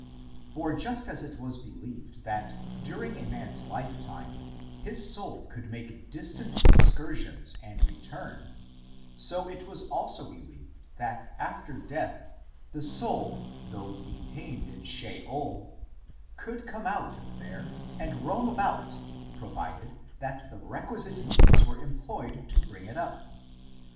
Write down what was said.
For just as it was believed that during a man s lifetime his soul could make distant excur sions and return, so it was also believed that after death the soul, though detained in Sheol, could come out of there and roam about provided that the requisite means were employed to bring it up.